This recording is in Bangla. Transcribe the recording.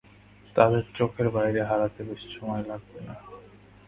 তাদের চোখের বাইরে হারাতে বেশি সময় লাগবে না।